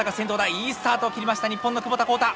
いいスタートを切りました日本の窪田幸太！